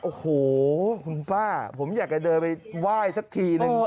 โอ้โหคุณฟ้าผมอยากจะเดินไปไหว้สักทีนึง